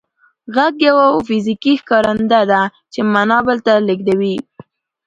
غږ یو فزیکي ښکارنده ده چې معنا بل ته لېږدوي